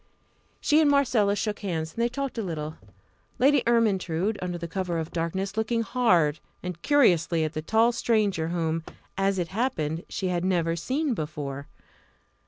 She and Marcella shook hands, and they talked a little, Lady Ermyntrude under cover of the darkness looking hard and curiously at the tall stranger whom, as it happened, she had never seen before.